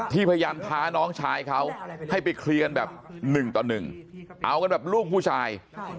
ที่พยายามพาน้องชายเขาให้ไปเคลียร์แบบหนึ่งต่อหนึ่งเอากันแบบลูกผู้ชาย